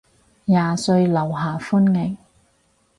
廿歲樓下歡迎